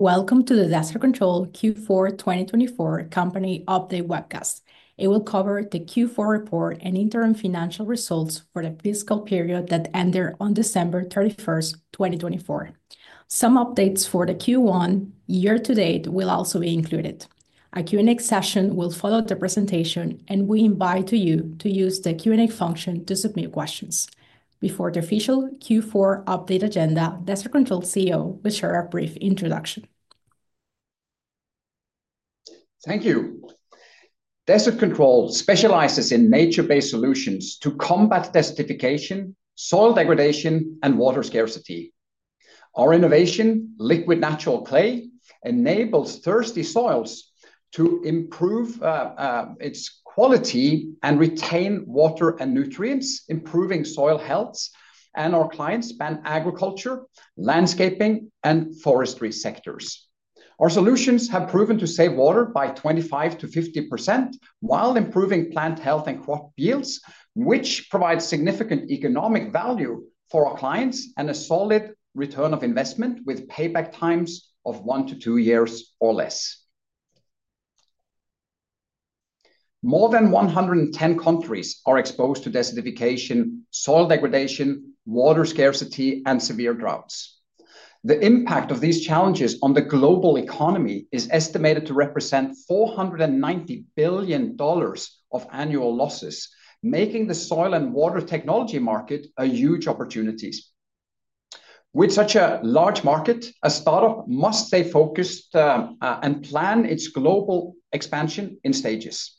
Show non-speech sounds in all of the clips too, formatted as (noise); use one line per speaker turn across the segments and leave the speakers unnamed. Welcome to the Desert Control Q4 2024 Company Update Webcast. It will cover the Q4 report and interim financial results for the fiscal period that ended on December 31, 2024. Some updates for the Q1 year-to-date will also be included. A Q&A session will follow the presentation, and we invite you to use the Q&A function to submit questions. Before the official Q4 update agenda, Desert Control CEO will share a brief introduction.
Thank you. Desert Control specializes in nature-based solutions to combat desertification, soil degradation, and water scarcity. Our innovation, Liquid Natural Clay, enables thirsty soils to improve its quality and retain water and nutrients, improving soil health and our clients' agriculture, landscaping, and forestry sectors. Our solutions have proven to save water by 25% to 50% while improving plant health and crop yields, which provides significant economic value for our clients and a solid return on investment with payback times of one to two years or less. More than 110 countries are exposed to desertification, soil degradation, water scarcity, and severe droughts. The impact of these challenges on the global economy is estimated to represent $490 billion of annual losses, making the soil and water technology market a huge opportunity. With such a large market, a startup must stay focused and plan its global expansion in stages.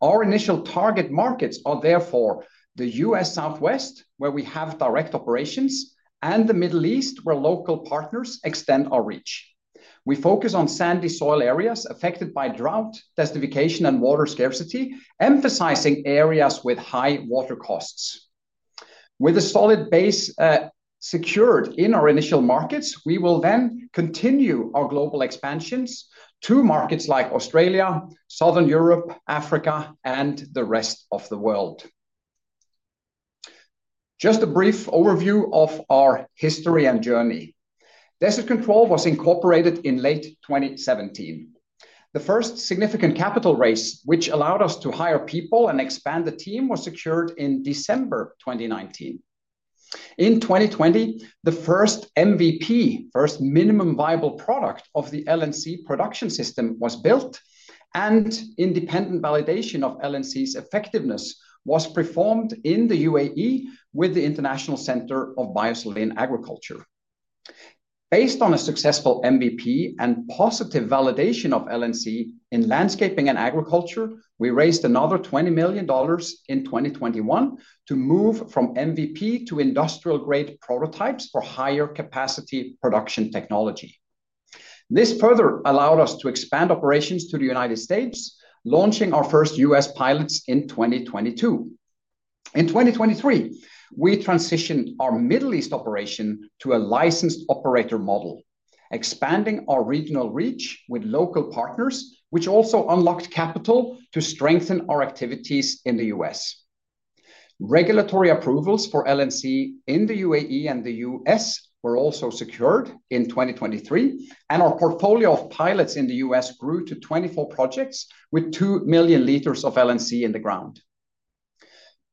Our initial target markets are therefore the US Southwest, where we have direct operations, and the Middle East, where local partners extend our reach. We focus on sandy soil areas affected by drought, desertification, and water scarcity, emphasizing areas with high water costs. With a solid base secured in our initial markets, we will then continue our global expansions to markets like Australia, Southern Europe, Africa, and the rest of the world. Just a brief overview of our history and journey. Desert Control was incorporated in late 2017. The first significant capital raise, which allowed us to hire people and expand the team, was secured in December 2019. In 2020, the first MVP, first minimum viable product of the LNC production system, was built, and independent validation of LNC's effectiveness was performed in the UAE with the International Center for Biosaline Agriculture. Based on a successful MVP and positive validation of LNC in landscaping and agriculture, we raised another $20 million in 2021 to move from MVP to industrial-grade prototypes for higher capacity production technology. This further allowed us to expand operations to the United States, launching our first US pilots in 2022. In 2023, we transitioned our Middle East operation to a licensed operator model, expanding our regional reach with local partners, which also unlocked capital to strengthen our activities in the US. Regulatory approvals for LNC in the UAE and the US were also secured in 2023, and our portfolio of pilots in the US grew to 24 projects with 2 million liters of LNC in the ground.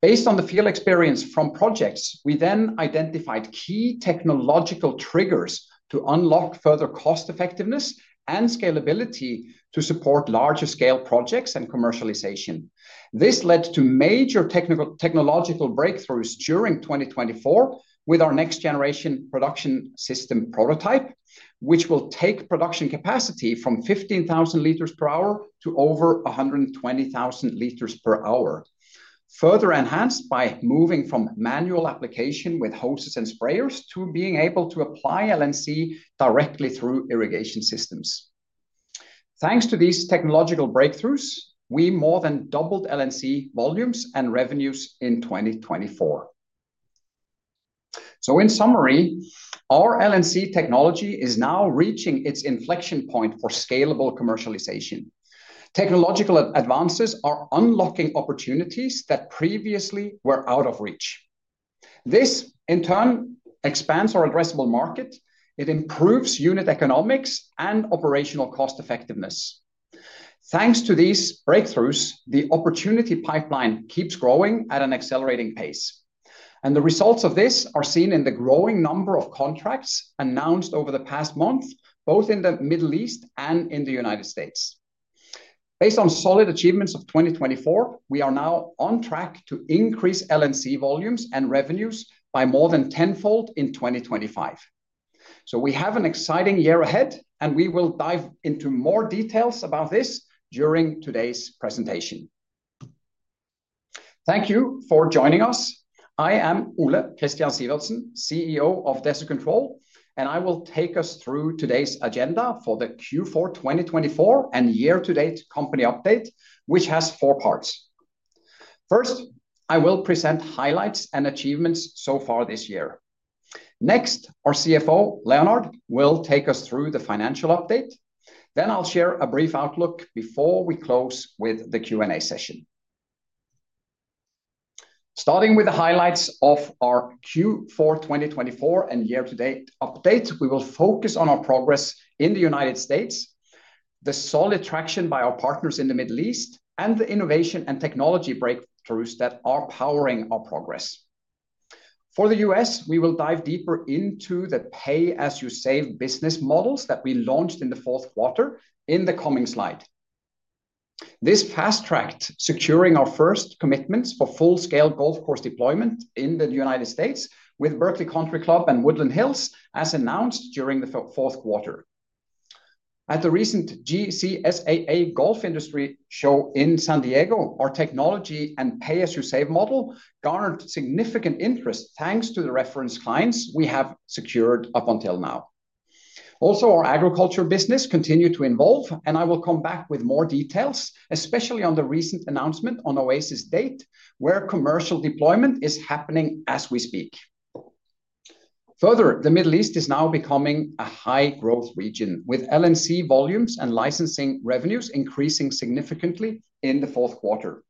Based on the field experience from projects, we then identified key technological triggers to unlock further cost effectiveness and scalability to support larger scale projects and commercialization. This led to major technological breakthroughs during 2024 with our next generation production system prototype, which will take production capacity from 15,000 liters per hour to over 120,000 liters per hour, further enhanced by moving from manual application with hoses and sprayers to being able to apply LNC directly through irrigation systems. Thanks to these technological breakthroughs, we more than doubled LNC volumes and revenues in 2024. In summary, our LNC technology is now reaching its inflection point for scalable commercialization. Technological advances are unlocking opportunities that previously were out of reach. This, in turn, expands our addressable market. It improves unit economics and operational cost effectiveness. Thanks to these breakthroughs, the opportunity pipeline keeps growing at an accelerating pace, and the results of this are seen in the growing number of contracts announced over the past month, both in the Middle East and in the United States. Based on solid achievements of 2024, we are now on track to increase LNC volumes and revenues by more than tenfold in 2025. We have an exciting year ahead, and we will dive into more details about this during today's presentation. Thank you for joining us. I am Ole Kristian Sivertsen, CEO of Desert Control, and I will take us through today's agenda for the Q4 2024 and year-to-date company update, which has four parts. First, I will present highlights and achievements so far this year. Next, our CFO, Leonard, will take us through the financial update. I will share a brief outlook before we close with the Q&A session. Starting with the highlights of our Q4 2024 and year-to-date update, we will focus on our progress in the United States, the solid traction by our partners in the Middle East, and the innovation and technology breakthroughs that are powering our progress. For the US, we will dive deeper into the pay-as-you-save business models that we launched in the Q4 in the coming slide. This fast-tracked securing our first commitments for full-scale golf course deployment in the United States with Berkeley Country Club and Woodland Hills, as announced during the Q4. At the recent GCSAA Golf Industry Show in San Diego, our technology and pay-as-you-save model garnered significant interest thanks to the reference clients we have secured up until now. Also, our agriculture business continued to evolve, and I will come back with more details, especially on the recent announcement on Oasis Date, where commercial deployment is happening as we speak. Further, the Middle East is now becoming a high-growth region, with LNC volumes and licensing revenues increasing significantly in the Q4.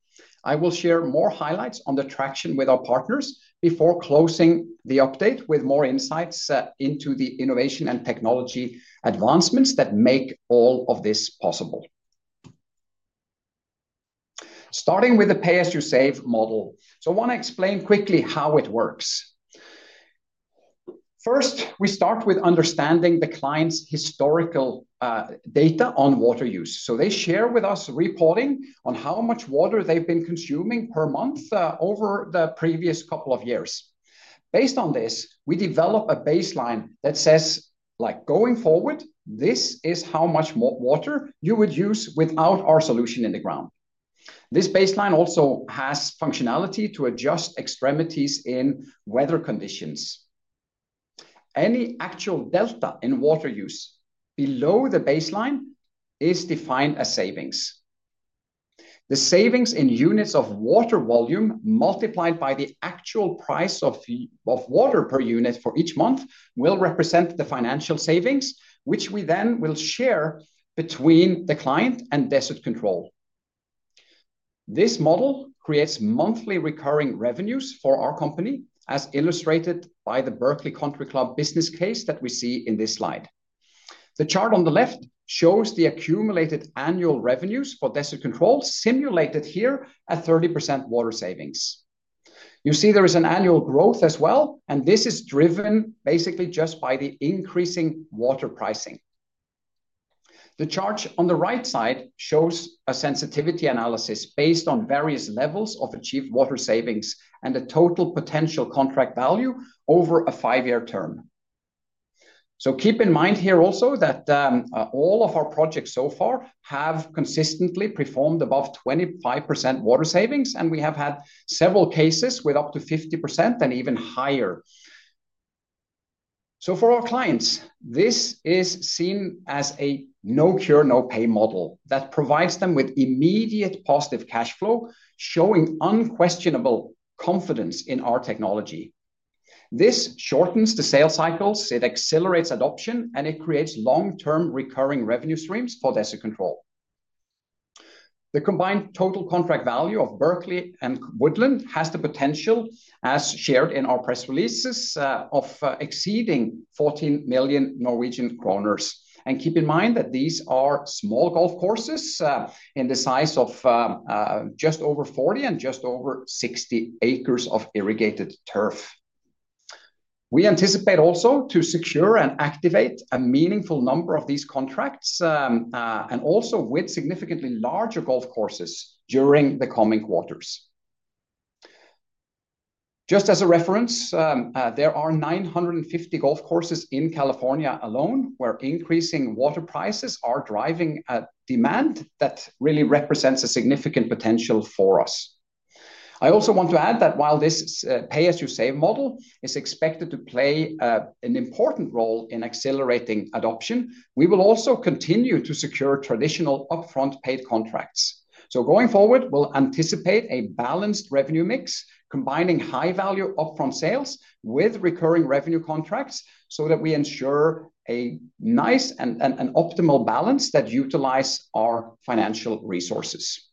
I will share more highlights on the traction with our partners before closing the update with more insights into the innovation and technology advancements that make all of this possible. Starting with the pay-as-you-save model, I want to explain quickly how it works. First, we start with understanding the client's historical data on water use. They share with us reporting on how much water they've been consuming per month over the previous couple of years. Based on this, we develop a baseline that says, going forward, this is how much water you would use without our solution in the ground. This baseline also has functionality to adjust extremities in weather conditions. Any actual delta in water use below the baseline is defined as savings. The savings in units of water volume multiplied by the actual price of water per unit for each month will represent the financial savings, which we then will share between the client and Desert Control. This model creates monthly recurring revenues for our company, as illustrated by the Berkeley Country Club business case that we see in this slide. The chart on the left shows the accumulated annual revenues for Desert Control, simulated here at 30% water savings. You see there is an annual growth as well, and this is driven basically just by the increasing water pricing. The chart on the right side shows a sensitivity analysis based on various levels of achieved water savings and the total potential contract value over a five-year term. Keep in mind here also that all of our projects so far have consistently performed above 25% water savings, and we have had several cases with up to 50% and even higher. For our clients, this is seen as a no cure, no pay model that provides them with immediate positive cash flow, showing unquestionable confidence in our technology. This shortens the sale cycles, it accelerates adoption, and it creates long-term recurring revenue streams for Desert Control. The combined total contract value of Berkeley and Woodland has the potential, as shared in our press releases, of exceeding 14 million Norwegian kroner. Keep in mind that these are small golf courses in the size of just over 40 and just over 60 acres of irrigated turf. We anticipate also to secure and activate a meaningful number of these contracts and also with significantly larger golf courses during the coming quarters. Just as a reference, there are 950 golf courses in California alone where increasing water prices are driving demand that really represents a significant potential for us. I also want to add that while this pay-as-you-save model is expected to play an important role in accelerating adoption, we will also continue to secure traditional upfront paid contracts. Going forward, we'll anticipate a balanced revenue mix combining high-value upfront sales with recurring revenue contracts so that we ensure a nice and optimal balance that utilizes our financial resources.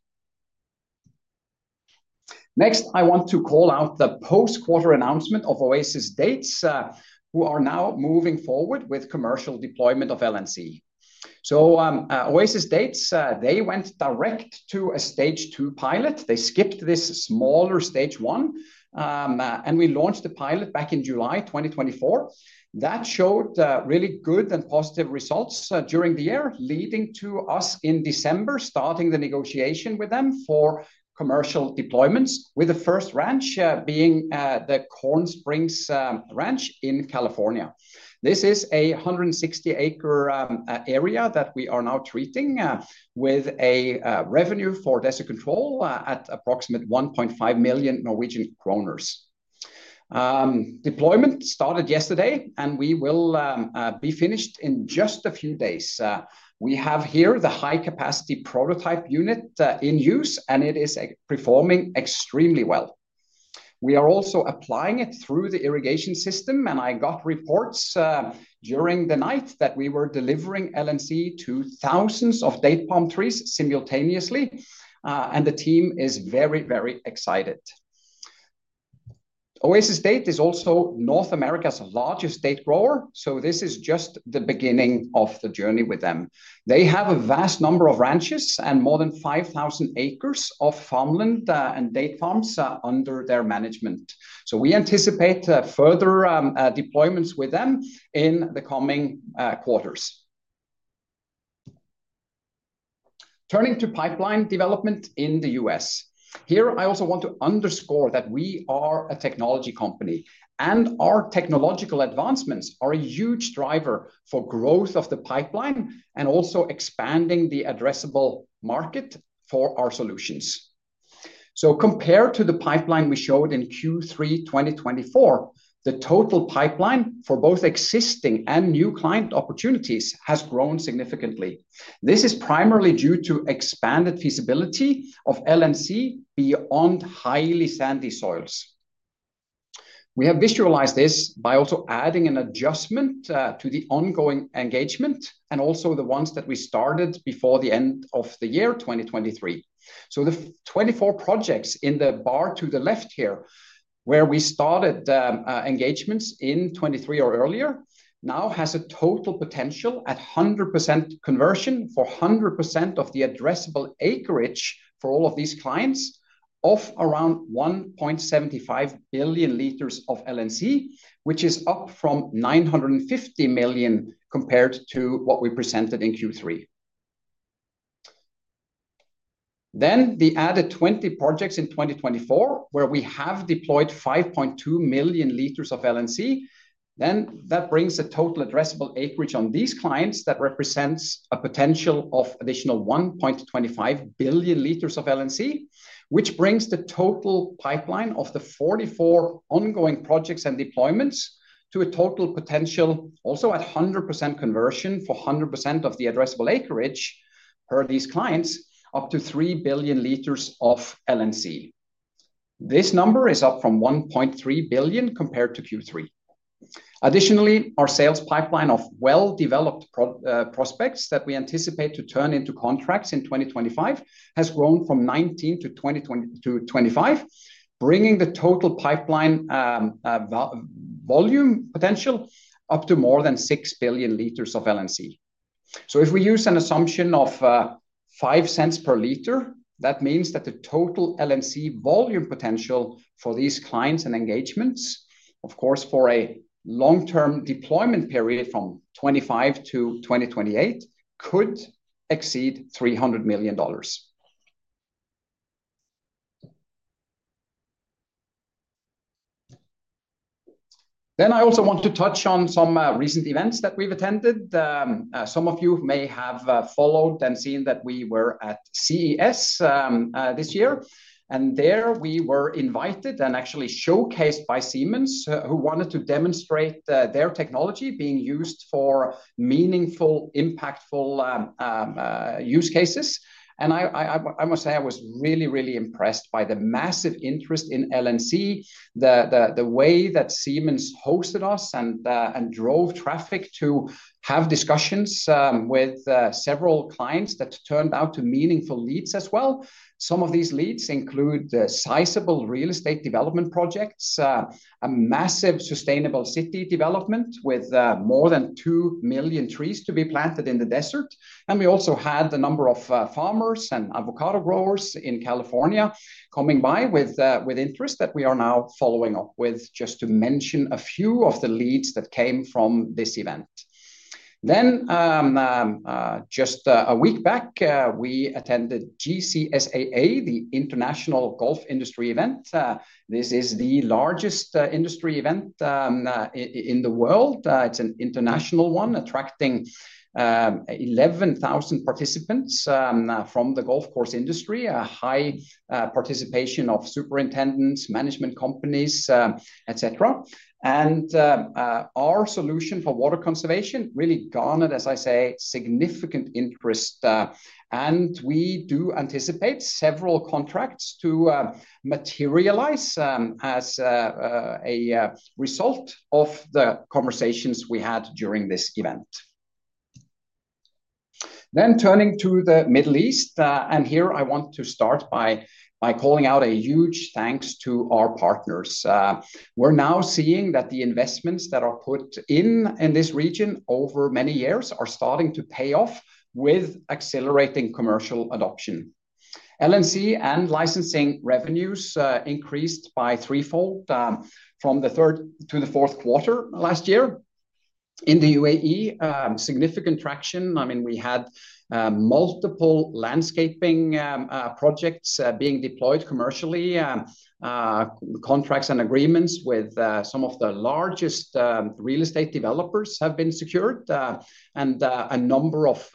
Next, I want to call out the post-quarter announcement of Oasis Date, who are now moving forward with commercial deployment of LNC. Oasis Date, they went direct to a stage two pilot. They skipped this smaller stage one, and we launched the pilot back in July 2024. That showed really good and positive results during the year, leading to us in December starting the negotiation with them for commercial deployments, with the first ranch being the Corn Springs Ranch in California. This is a 160-acre area that we are now treating with a revenue for Desert Control at approximately 1.5 million Norwegian kroner. Deployment started yesterday, and we will be finished in just a few days. We have here the high-capacity prototype unit in use, and it is performing extremely well. We are also applying it through the irrigation system, and I got reports during the night that we were delivering LNC to thousands of date palm trees simultaneously, and the team is very, very excited. Oasis Date is also North America's largest date grower, so this is just the beginning of the journey with them. They have a vast number of ranches and more than 5,000 acres of farmland and date farms under their management. We anticipate further deployments with them in the coming quarters. Turning to pipeline development in the US, here I also want to underscore that we are a technology company, and our technological advancements are a huge driver for growth of the pipeline and also expanding the addressable market for our solutions. Compared to the pipeline we showed in Q3 2024, the total pipeline for both existing and new client opportunities has grown significantly. This is primarily due to expanded feasibility of LNC beyond highly sandy soils. We have visualized this by also adding an adjustment to the ongoing engagement and also the ones that we started before the end of the year 2023. The 24 projects in the bar to the left here, where we started engagements in 2023 or earlier, now has a total potential at 100% conversion for 100% of the addressable acreage for all of these clients of around 1.75 billion liters of LNC, which is up from 950 million compared to what we presented in Q3. The added 20 projects in 2024, where we have deployed 5.2 million liters of LNC, brings a total addressable acreage on these clients that represents a potential of additional 1.25 billion liters of LNC, which brings the total pipeline of the 44 ongoing projects and deployments to a total potential also at 100% conversion for 100% of the addressable acreage per these clients, up to 3 billion liters of LNC. This number is up from 1.3 billion compared to Q3. Additionally, our sales pipeline of well-developed prospects that we anticipate to turn into contracts in 2025 has grown from 19 to 2025, bringing the total pipeline volume potential up to more than 6 billion liters of LNC. If we use an assumption of $0.5 per liter, that means that the total LNC volume potential for these clients and engagements, of course, for a long-term deployment period from 2025 to 2028, could exceed $300 million. I also want to touch on some recent events that we've attended. Some of you may have followed and seen that we were at CES this year, and there we were invited and actually showcased by Siemens, who wanted to demonstrate their technology being used for meaningful, impactful use cases. I must say I was really, really impressed by the massive interest in LNC, the way that Siemens hosted us and drove traffic to have discussions with several clients that turned out to meaningful leads as well. Some of these leads include sizable real estate development projects, a massive sustainable city development with more than 2 million trees to be planted in the desert. We also had a number of farmers and avocado growers in California coming by with interest that we are now following up with, just to mention a few of the leads that came from this event. Just a week back, we attended GCSAA, the International Golf Industry Event. This is the largest industry event in the world. It is an international one, attracting 11,000 participants from the golf course industry, a high participation of superintendents, management companies, etc. Our solution for water conservation really garnered, as I say, significant interest, and we do anticipate several contracts to materialize as a result of the conversations we had during this event. Turning to the Middle East, and here I want to start by calling out a huge thanks to our partners. We're now seeing that the investments that are put in in this region over many years are starting to pay off with accelerating commercial adoption. LNC and licensing revenues increased by threefold from the third to the Q4 last year. In the UAE, significant traction. I mean, we had multiple landscaping projects being deployed commercially. Contracts and agreements with some of the largest real estate developers have been secured, and a number of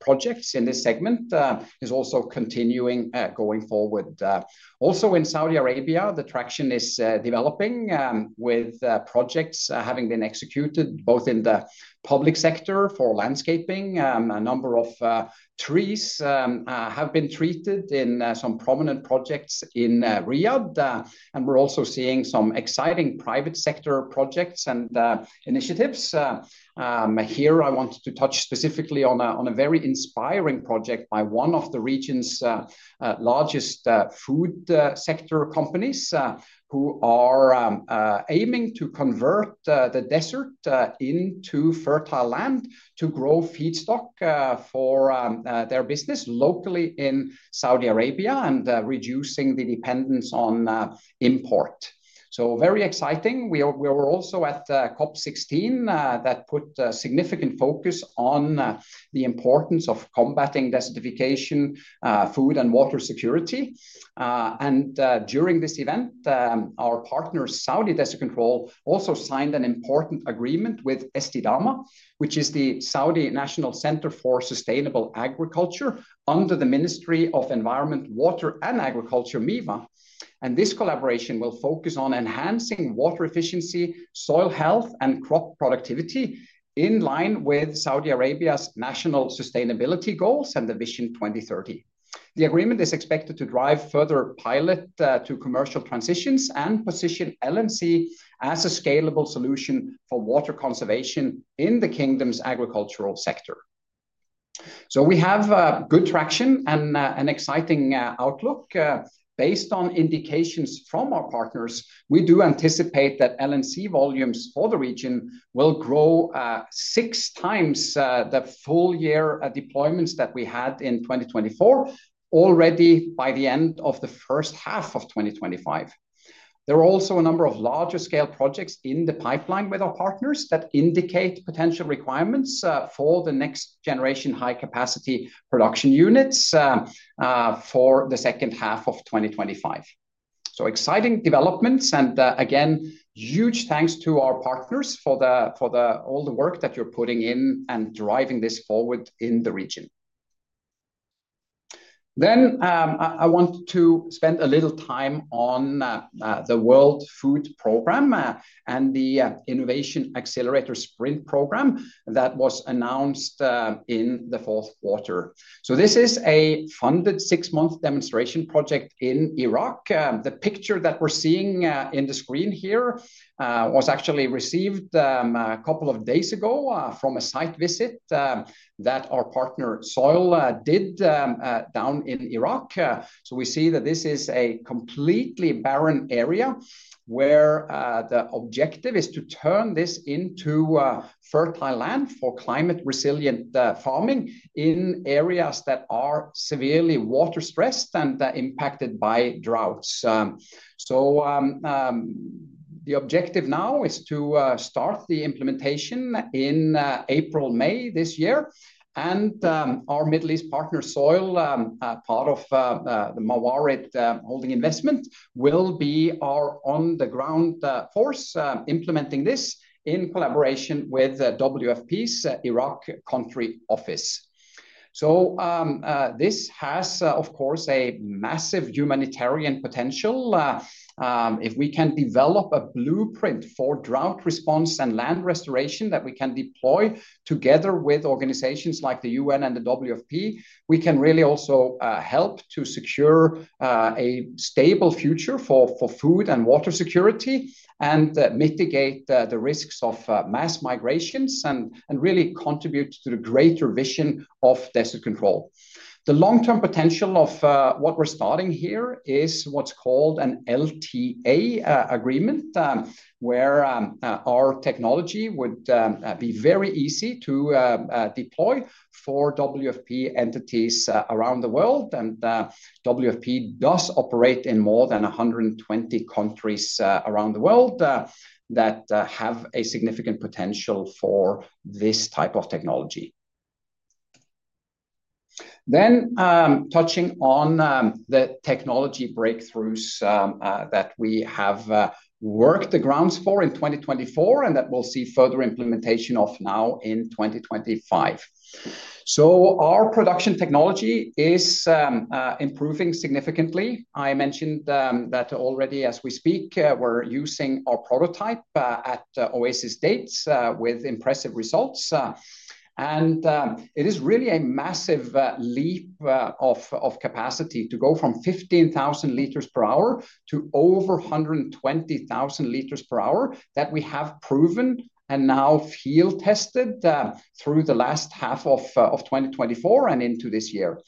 projects in this segment is also continuing going forward. Also in Saudi Arabia, the traction is developing with projects having been executed both in the public sector for landscaping. A number of trees have been treated in some prominent projects in Riyadh, and we're also seeing some exciting private sector projects and initiatives. Here I wanted to touch specifically on a very inspiring project by one of the region's largest food sector companies who are aiming to convert the desert into fertile land to grow feedstock for their business locally in Saudi Arabia and reducing the dependence on import. Very exciting. We were also at COP16 that put a significant focus on the importance of combating desertification, food, and water security. During this event, our partner, Saudi Desert Control, also signed an important agreement with Estidamah, which is the Saudi National Center for Sustainable Agriculture under the Ministry of Environment, Water, and Agriculture, MEWA. This collaboration will focus on enhancing water efficiency, soil health, and crop productivity in line with Saudi Arabia's national sustainability goals and the Vision 2030. The agreement is expected to drive further pilot to commercial transitions and position LNC as a scalable solution for water conservation in the kingdom's agricultural sector. We have good traction and an exciting outlook. Based on indications from our partners, we do anticipate that LNC volumes for the region will grow six times the full year deployments that we had in 2024 already by the end of the first half of 2025. There are also a number of larger scale projects in the pipeline with our partners that indicate potential requirements for the next generation high capacity production units for the second half of 2025. Exciting developments, and again, huge thanks to our partners for all the work that you're putting in and driving this forward in the region. I want to spend a little time on the World Food Programme and the Innovation Accelerator Sprint Program that was announced in the Q4. This is a funded six-month demonstration project in Iraq. The picture that we are seeing on the screen here was actually received a couple of days ago from a site visit that our partner Soil did down in Iraq. We see that this is a completely barren area where the objective is to turn this into fertile land for climate resilient farming in areas that are severely water stressed and impacted by droughts. The objective now is to start the implementation in April, May this year. Our Middle East partner, Soil, part of the Mawarid Holding investment, will be our on-the-ground force implementing this in collaboration with WFP's Iraq Country Office. This has, of course, a massive humanitarian potential. If we can develop a blueprint for drought response and land restoration that we can deploy together with organizations like the UN and the WFP, we can really also help to secure a stable future for food and water security and mitigate the risks of mass migrations and really contribute to the greater vision of Desert Control. The long-term potential of what we're starting here is what's called an LTA agreement, where our technology would be very easy to deploy for WFP entities around the world. WFP does operate in more than 120 countries around the world that have a significant potential for this type of technology. Touching on the technology breakthroughs that we have worked the grounds for in 2024 and that we'll see further implementation of now in 2025. Our production technology is improving significantly. I mentioned that already as we speak, we're using our prototype at Oasis Date with impressive results. It is really a massive leap of capacity to go from 15,000 liters per hour to over 120,000 liters per hour that we have proven and now field tested through the last half of 2024 and into this year.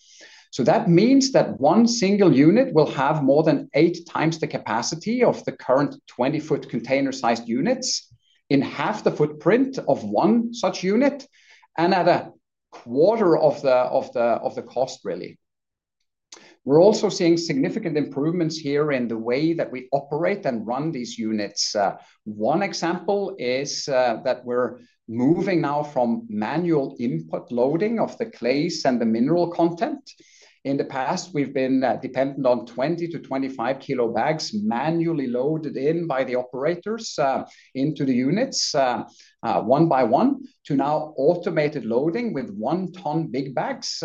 That means that one single unit will have more than eight times the capacity of the current 20-foot container-sized units in half the footprint of one such unit and at a quarter of the cost, really. We're also seeing significant improvements here in the way that we operate and run these units. One example is that we're moving now from manual input loading of the clays and the mineral content. In the past, we've been dependent on 20-25 kilo bags manually loaded in by the operators into the units one by one to now automated loading with one-ton big bags,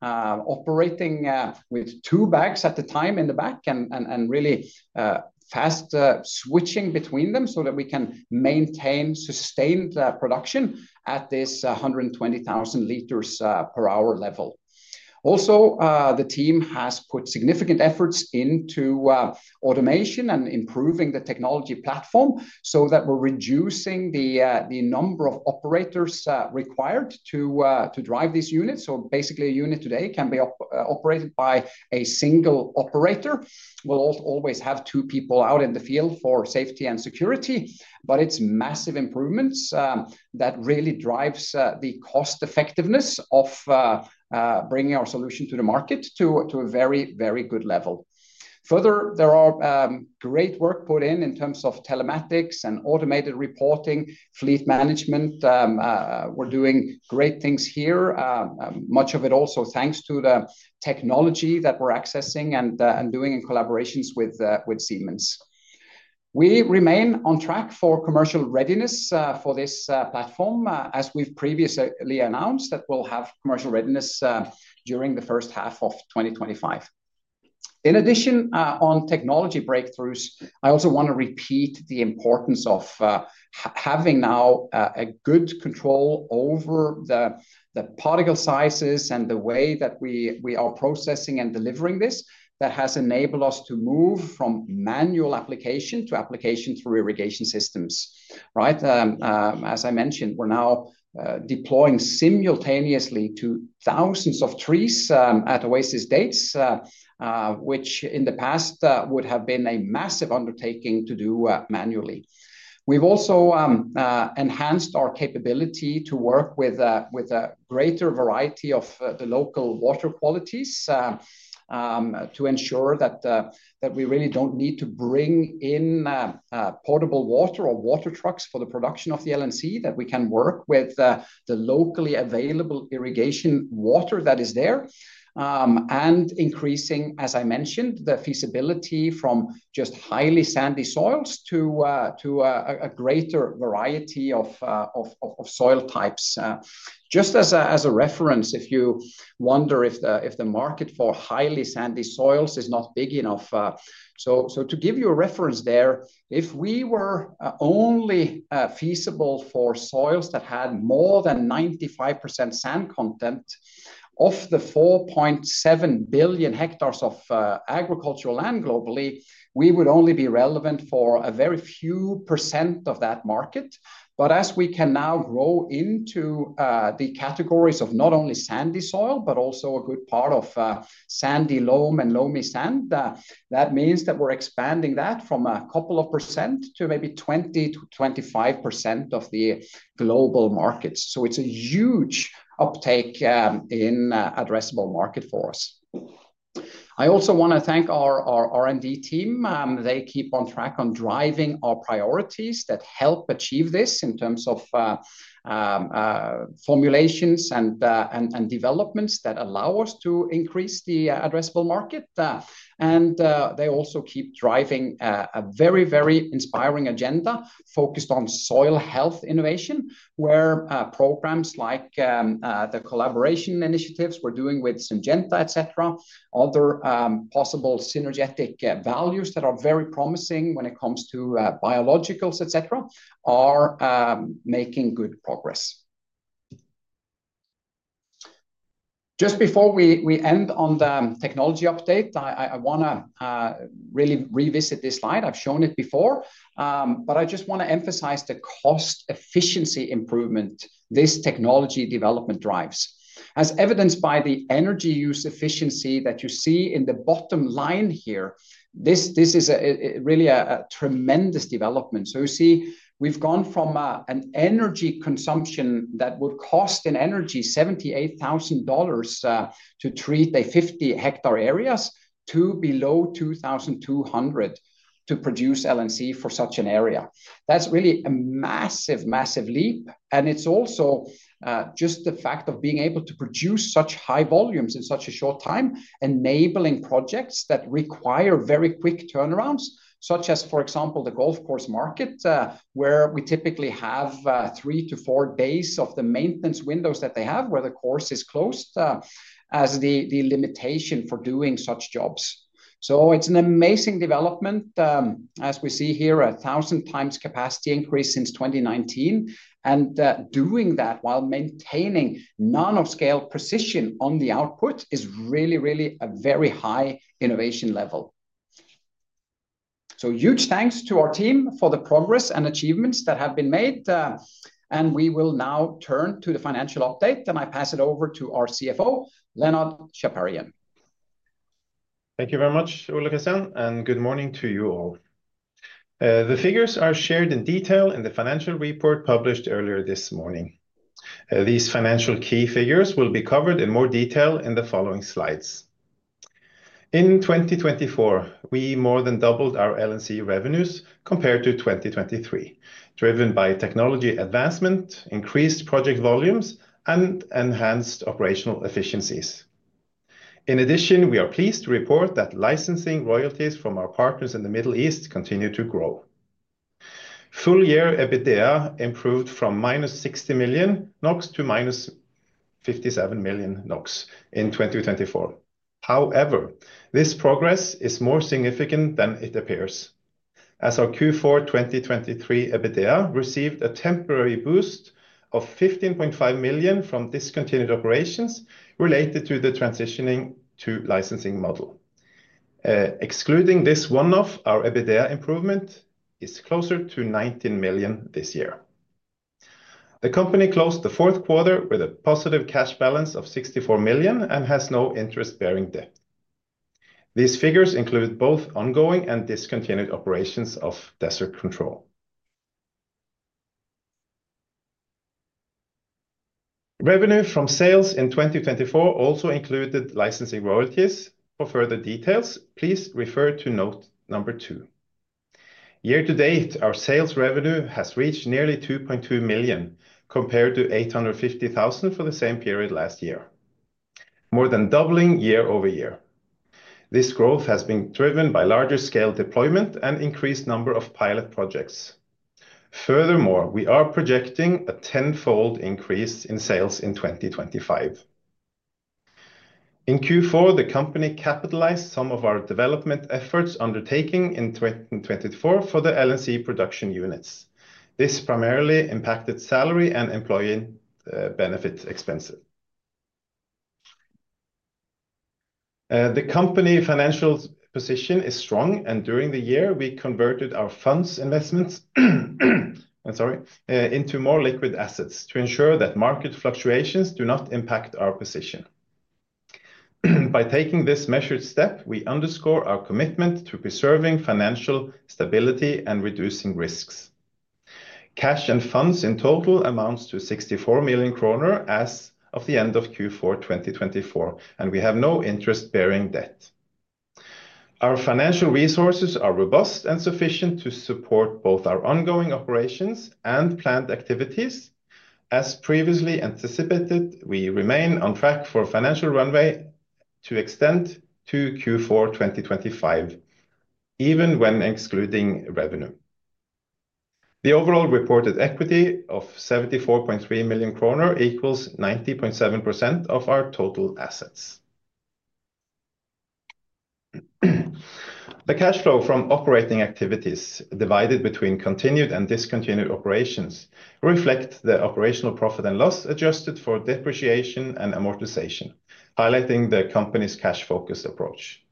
operating with two bags at a time in the back and really fast switching between them so that we can maintain sustained production at this 120,000 liters per hour level. Also, the team has put significant efforts into automation and improving the technology platform so that we're reducing the number of operators required to drive these units. Basically, a unit today can be operated by a single operator. We'll always have two people out in the field for safety and security, but it's massive improvements that really drive the cost effectiveness of bringing our solution to the market to a very, very good level. Further, there are great work put in in terms of telematics and automated reporting, fleet management. We're doing great things here, much of it also thanks to the technology that we're accessing and doing in collaborations with Siemens. We remain on track for commercial readiness for this platform, as we've previously announced that we'll have commercial readiness during the first half of 2025. In addition, on technology breakthroughs, I also want to repeat the importance of having now a good control over the particle sizes and the way that we are processing and delivering this that has enabled us to move from manual application to application through irrigation systems. As I mentioned, we're now deploying simultaneously to thousands of trees at Oasis Date, which in the past would have been a massive undertaking to do manually. We've also enhanced our capability to work with a greater variety of the local water qualities to ensure that we really don't need to bring in portable water or water trucks for the production of the LNC, that we can work with the locally available irrigation water that is there. Increasing, as I mentioned, the feasibility from just highly sandy soils to a greater variety of soil types. Just as a reference, if you wonder if the market for highly sandy soils is not big enough. To give you a reference there, if we were only feasible for soils that had more than 95% sand content of the 4.7 billion hectares of agricultural land globally, we would only be relevant for a very few percent of that market. As we can now grow into the categories of not only sandy soil, but also a good part of sandy loam and loamy sand, that means that we're expanding that from a couple of percent to maybe 20-25% of the global markets. It is a huge uptake in addressable market for us. I also want to thank our R&D team. They keep on track on driving our priorities that help achieve this in terms of formulations and developments that allow us to increase the addressable market. They also keep driving a very, very inspiring agenda focused on soil health innovation, where programs like the collaboration initiatives we're doing with Syngenta, etc., other possible synergetic values that are very promising when it comes to biologicals, etc., are making good progress. Just before we end on the technology update, I want to really revisit this slide. I've shown it before, but I just want to emphasize the cost efficiency improvement this technology development drives. As evidenced by the energy use efficiency that you see in the bottom line here, this is really a tremendous development. You see we've gone from an energy consumption that would cost in energy $78,000 to treat a 50-hectare area to below $2,200 to produce LNC for such an area. That's really a massive, massive leap. It's also just the fact of being able to produce such high volumes in such a short time, enabling projects that require very quick turnarounds, such as, for example, the golf course market, where we typically have three to four days of the maintenance windows that they have where the course is closed as the limitation for doing such jobs. It is an amazing development, as we see here, a thousand times capacity increase since 2019. Doing that while maintaining nanoscopic precision on the output is really, really a very high innovation level. Huge thanks to our team for the progress and achievements that have been made. We will now turn to the financial update, and I pass it over to our CFO, Leonard Chaparian.
Thank you very much, Ole Kristian, and good morning to you all. The figures are shared in detail in the financial report published earlier this morning. These financial key figures will be covered in more detail in the following slides. In 2024, we more than doubled our LNC revenues compared to 2023, driven by technology advancement, increased project volumes, and enhanced operational efficiencies. In addition, we are pleased to report that licensing royalties from our partners in the Middle East continue to grow. Full-year EBITDA improved from -60 to -57 million in 2024. However, this progress is more significant than it appears, as our Q4 2023 EBITDA received a temporary boost of 15.5 million from discontinued operations related to the transitioning to licensing model. Excluding this one-off, our EBITDA improvement is closer to 19 million this year. The company closed the Q4 with a positive cash balance of 64 million and has no interest-bearing debt. These figures include both ongoing and discontinued operations of Desert Control. Revenue from sales in 2024 also included licensing royalties. For further details, please refer to note number two. Year-to-date, our sales revenue has reached nearly 2.2 million compared to 850,000 for the same period last year, more than doubling year over year. This growth has been driven by larger scale deployment and increased number of pilot projects. Furthermore, we are projecting a tenfold increase in sales in 2025. In Q4, the company capitalized some of our development efforts undertaken in 2024 for the LNC production units. This primarily impacted salary and employee benefit expenses. The company financial position is strong, and during the year, we converted our funds investments into more liquid assets to ensure that market fluctuations do not impact our position. By taking this measured step, we underscore our commitment to preserving financial stability and reducing risks. Cash and funds in total amounts to 64 million kroner as of the end of Q4 2024, and we have no interest-bearing debt. Our financial resources are robust and sufficient to support both our ongoing operations and planned activities. As previously anticipated, we remain on track for financial runway to extend to Q4 2025, even when excluding revenue. The overall reported equity of 74.3 million kroner equals 90.7% of our total assets. The cash flow from operating activities divided between continued and discontinued operations reflects the operational profit and loss adjusted for depreciation and amortization, highlighting the company's cash-focused approach.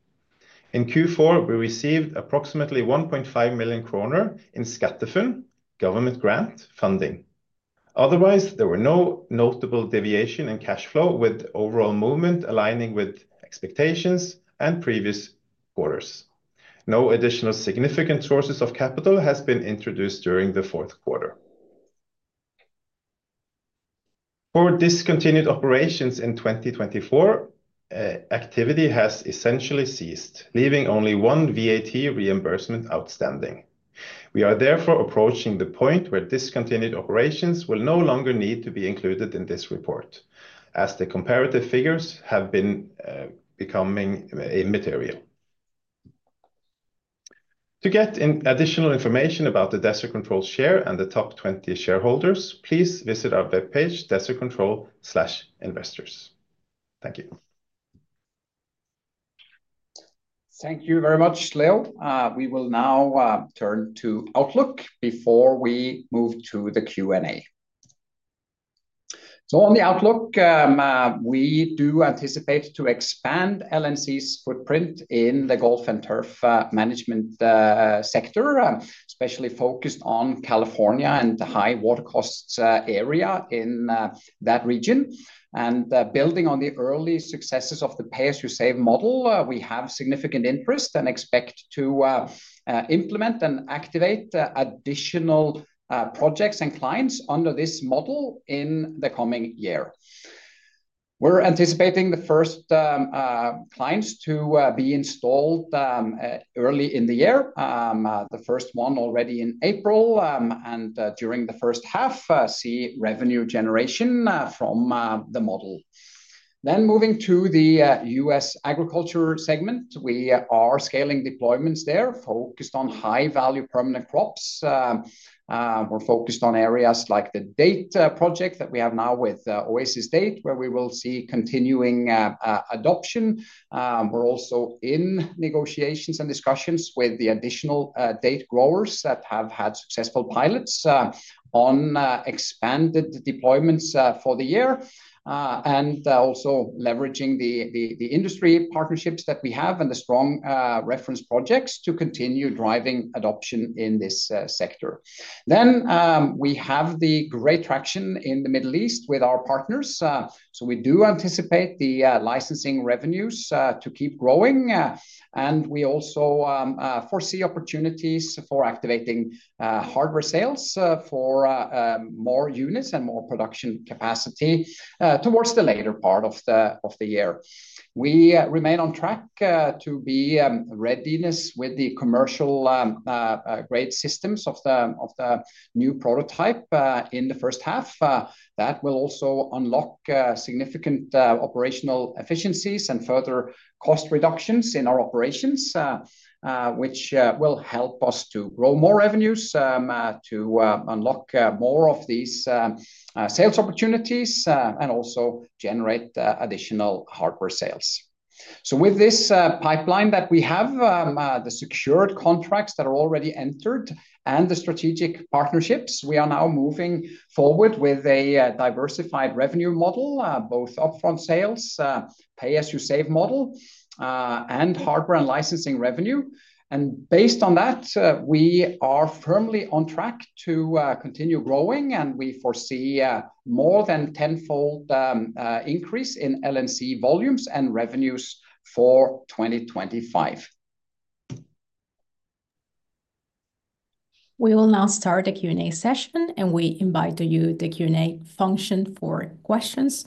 In Q4, we received approximately 1.5 million kroner in SkatteFUNN, government grant funding. Otherwise, there were no notable deviations in cash flow, with overall movement aligning with expectations and previous quarters. No additional significant sources of capital have been introduced during the Q4. For discontinued operations in 2024, activity has essentially ceased, leaving only one VAT reimbursement outstanding. We are therefore approaching the point where discontinued operations will no longer need to be included in this report, as the comparative figures have been becoming immaterial. To get additional information about the Desert Control share and the top 20 shareholders, please visit our webpage, desertcontrol.investors. Thank you.
Thank you very much, Leo. We will now turn to Outlook before we move to the Q&A. On the Outlook, we do anticipate to expand LNC's footprint in the Gulf and Turf Management sector, especially focused on California and the high water costs area in that region. Building on the early successes of the pay-as-you-save model, we have significant interest and expect to implement and activate additional projects and clients under this model in the coming year. We're anticipating the first clients to be installed early in the year, the first one already in April, and during the first half, see revenue generation from the model. Moving to the US agriculture segment, we are scaling deployments there, focused on high-value permanent crops. We're focused on areas like the date project that we have now with Oasis Date, where we will see continuing adoption. We're also in negotiations and discussions with the additional date growers that have had successful pilots on expanded deployments for the year, and also leveraging the industry partnerships that we have and the strong reference projects to continue driving adoption in this sector. We have the great traction in the Middle East with our partners. We do anticipate the licensing revenues to keep growing, and we also foresee opportunities for activating hardware sales for more units and more production capacity towards the later part of the year. We remain on track to be readiness with the commercial-grade systems of the new prototype in the first half. That will also unlock significant operational efficiencies and further cost reductions in our operations, which will help us to grow more revenues, to unlock more of these sales opportunities, and also generate additional hardware sales. With this pipeline that we have, the secured contracts that are already entered, and the strategic partnerships, we are now moving forward with a diversified revenue model, both upfront sales, pay-as-you-save model, and hardware and licensing revenue. Based on that, we are firmly on track to continue growing, and we foresee more than tenfold increase in LNC volumes and revenues for 2025.
We will now start the Q&A session, and we invite you to the Q&A function for questions.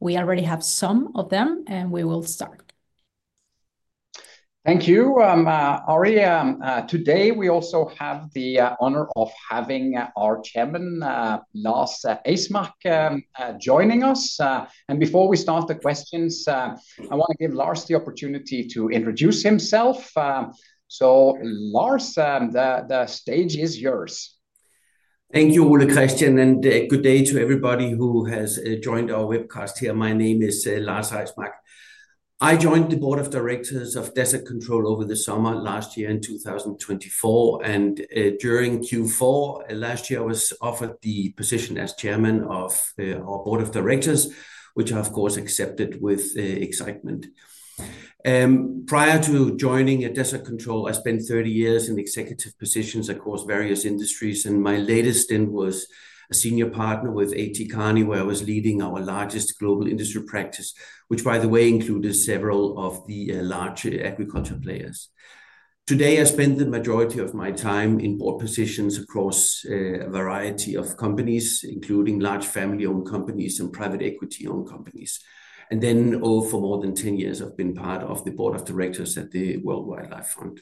We already have some of them, and we will start.
Thank you, Ari. Today, we also have the honor of having our Chairman, Lars Eismark, joining us. Before we start the questions, I want to give Lars the opportunity to introduce himself. Lars, the stage is yours.
Thank you, Ole Kristian, and good day to everybody who has joined our webcast here. My name is Lars Eismark. I joined the Board of Directors of Desert Control over the summer last year in 2024. During Q4 last year, I was offered the position as Chairman of our Board of Directors, which I, of course, accepted with excitement. Prior to joining Desert Control, I spent 30 years in executive positions across various industries, and my latest then was a senior partner with A.T. Kearney, where I was leading our largest global industry practice, which, by the way, included several of the large agriculture players. Today, I spend the majority of my time in board positions across a variety of companies, including large family-owned companies and private equity-owned companies. For more than 10 years, I've been part of the Board of Directors at the World Wildlife Fund.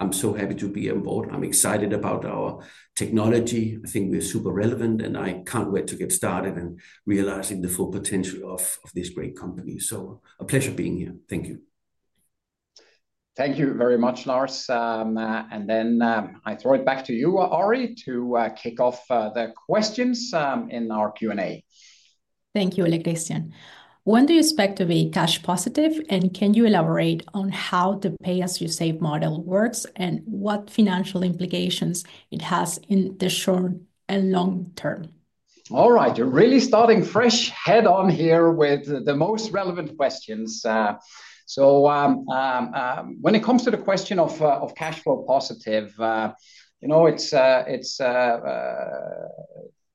I'm so happy to be on board. I'm excited about our technology. I think we're super relevant, and I can't wait to get started and realize the full potential of this great company. A pleasure being here. Thank you.
Thank you very much, Lars. I throw it back to you, Ari, to kick off the questions in our Q&A.
Thank you, Ole Kristian. When do you expect to be cash positive, and can you elaborate on how the pay-as-you-save model works and what financial implications it has in the short and long term?
All right, you're really starting fresh head on here with the most relevant questions. When it comes to the question of cash flow positive, you know it's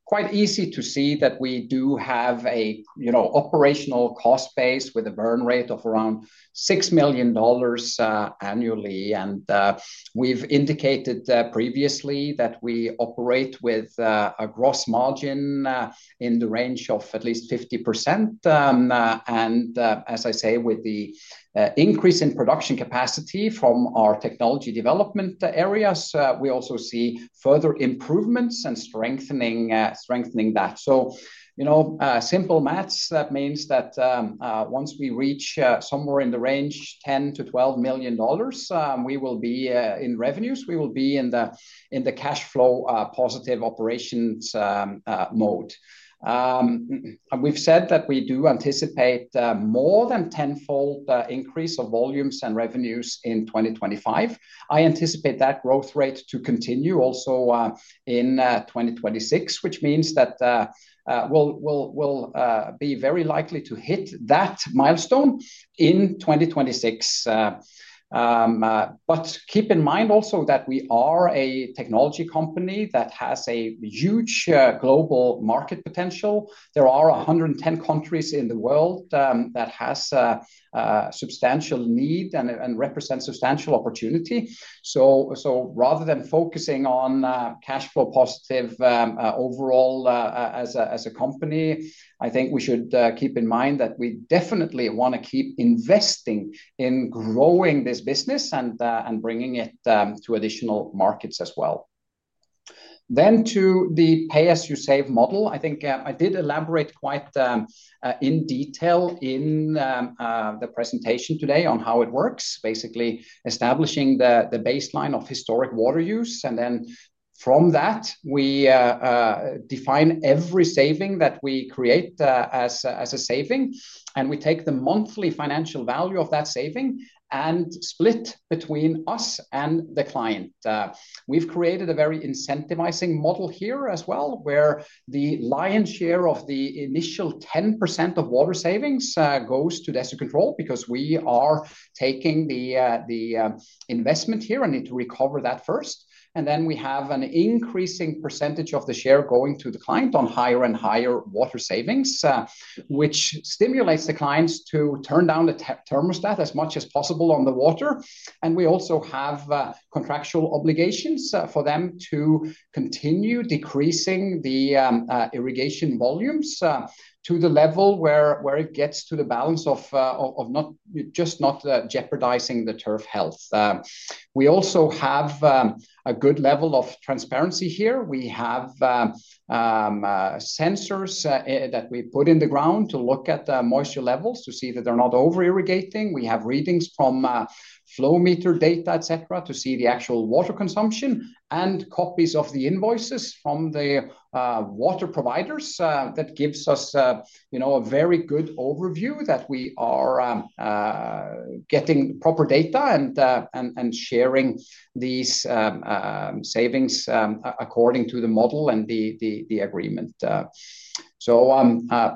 quite easy to see that we do have an operational cost base with a burn rate of around $6 million annually. We've indicated previously that we operate with a gross margin in the range of at least 50%. As I say, with the increase in production capacity from our technology development areas, we also see further improvements and strengthening that. \ Simple maths means that once we reach somewhere in the range of $10-$12 million, we will be in revenues. We will be in the cash flow positive operations mode. We've said that we do anticipate more than tenfold increase of volumes and revenues in 2025. I anticipate that growth rate to continue also in 2026, which means that we'll be very likely to hit that milestone in 2026. Keep in mind also that we are a technology company that has a huge global market potential. There are 110 countries in the world that have substantial need and represent substantial opportunity. Rather than focusing on cash flow positive overall as a company, I think we should keep in mind that we definitely want to keep investing in growing this business and bringing it to additional markets as well. To the pay-as-you-save model, I think I did elaborate quite in detail in the presentation today on how it works, basically establishing the baseline of historic water use. From that, we define every saving that we create as a saving, and we take the monthly financial value of that saving and split between us and the client. We've created a very incentivizing model here as well, where the lion's share of the initial 10% of water savings goes to Desert Control because we are taking the investment here and need to recover that first. We have an increasing percentage of the share going to the client on higher and higher water savings, which stimulates the clients to turn down the thermostat as much as possible on the water. We also have contractual obligations for them to continue decreasing the irrigation volumes to the level where it gets to the balance of just not jeopardizing the turf health. We also have a good level of transparency here. We have sensors that we put in the ground to look at moisture levels to see that they're not over-irrigating. We have readings from flow meter data, etc., to see the actual water consumption and copies of the invoices from the water providers. That gives us a very good overview that we are getting proper data and sharing these savings according to the model and the agreement.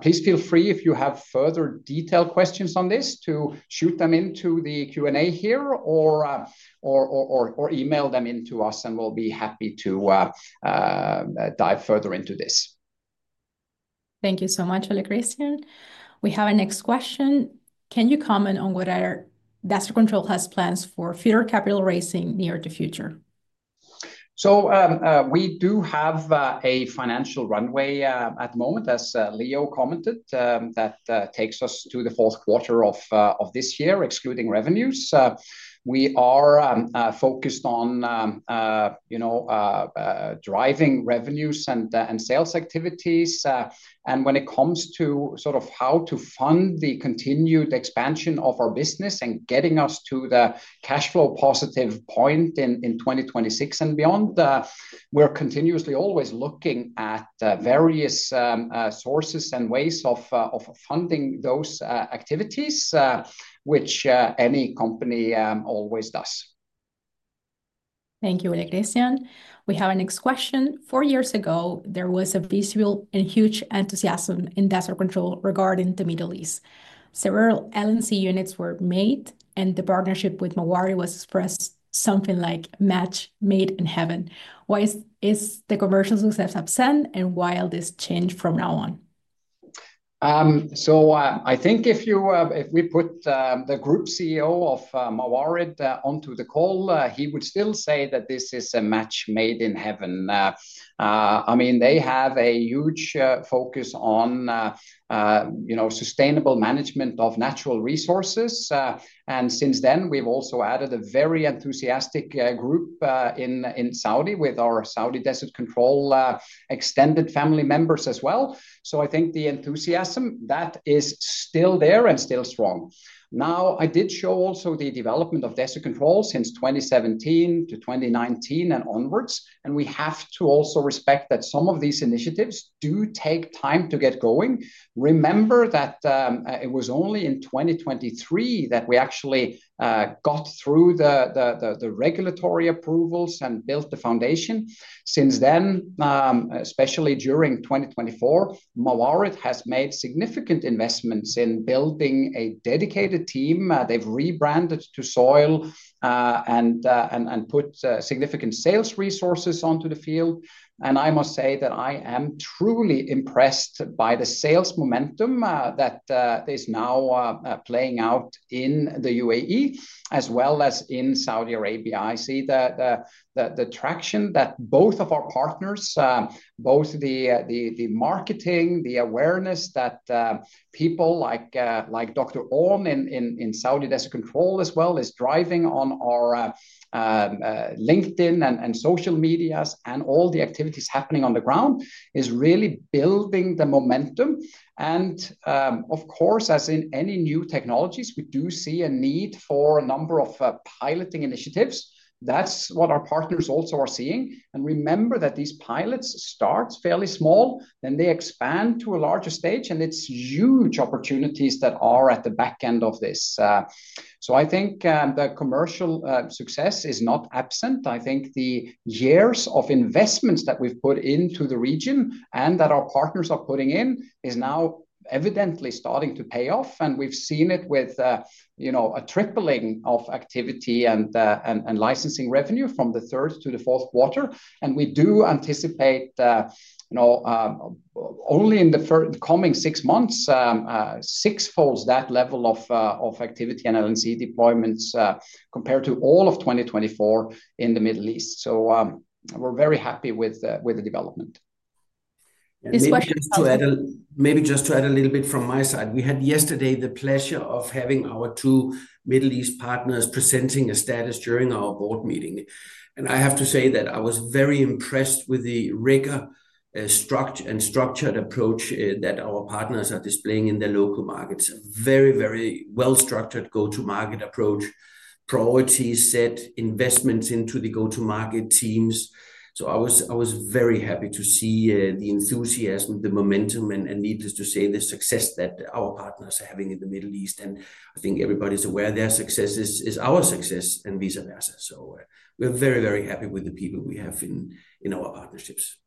Please feel free if you have further detailed questions on this to shoot them into the Q&A here or email them into us, and we'll be happy to dive further into this.
Thank you so much, Ole Kristian. We have a next question. Can you comment on whether Desert Control has plans for future capital raising near the future?
We do have a financial runway at the moment, as Leo commented, that takes us to the Q4 of this year, excluding revenues. We are focused on driving revenues and sales activities. When it comes to sort of how to fund the continued expansion of our business and getting us to the cash flow positive point in 2026 and beyond, we're continuously always looking at various sources and ways of funding those activities, which any company always does.
Thank you, Ole Kristian. We have a next question. Four years ago, there was a visual and huge enthusiasm in Desert Control regarding the Middle East. Several LNC units were made, and the partnership with Mawarid was expressed something like a match made in heaven. Why is the commercial success absent, and why will this change from now on?
I think if we put the group CEO of Mawarid onto the call, he would still say that this is a match made in heaven. I mean, they have a huge focus on sustainable management of natural resources. Since then, we've also added a very enthusiastic group in Saudi with our Saudi Desert Control extended family members as well. I think the enthusiasm is still there and still strong. I did show also the development of Desert Control since 2017 to 2019 and onwards. We have to also respect that some of these initiatives do take time to get going. Remember that it was only in 2023 that we actually got through the regulatory approvals and built the foundation. Since then, especially during 2024, Mawarid has made significant investments in building a dedicated team. They have rebranded to Soil and put significant sales resources onto the field. I must say that I am truly impressed by the sales momentum that is now playing out in the UAE as well as in Saudi Arabia. I see the traction that both of our partners, both the marketing, the awareness that people like Dr. Orn in Saudi Desert Control as well is driving on our LinkedIn and social medias and all the activities happening on the ground is really building the momentum. Of course, as in any new technologies, we do see a need for a number of piloting initiatives. That is what our partners also are seeing. Remember that these pilots start fairly small, then they expand to a larger stage, and it is huge opportunities that are at the back end of this. I think the commercial success is not absent. I think the years of investments that we have put into the region and that our partners are putting in is now evidently starting to pay off. We have seen it with a tripling of activity and licensing revenue from the third to the Q4. We do anticipate only in the coming six months, sixfolds that level of activity and LNC deployments compared to all of 2024 in the Middle East. We are very happy with the development.
This question is comes (crosstalk)
Maybe just to add a little bit from my side. We had yesterday the pleasure of having our two Middle East partners presenting a status during our board meeting. I have to say that I was very impressed with the rigor and structured approach that our partners are displaying in their local markets. Very, very well-structured go-to-market approach, priorities set, investments into the go-to-market teams. I was very happy to see the enthusiasm, the momentum, and needless to say, the success that our partners are having in the Middle East. I think everybody's aware their success is our success and vice versa. We are very, very happy with the people we have in our partnerships.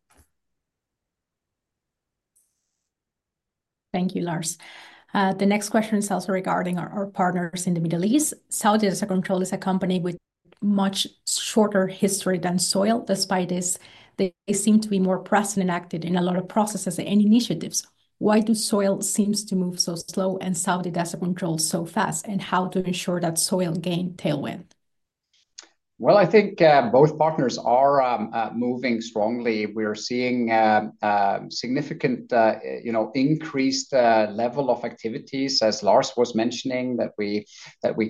Thank you, Lars. The next question is also regarding our partners in the Middle East. Saudi Desert Control is a company with a much shorter history than Soil. Despite this, they seem to be more present and active in a lot of processes and initiatives. Why do Soil seem to move so slow and Saudi Desert Control so fast, and how to ensure that Soil gain tailwind?
I think both partners are moving strongly. We are seeing significant increased level of activities, as Lars was mentioning, that we